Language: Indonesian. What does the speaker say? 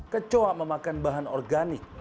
kecoa memakan bahan organik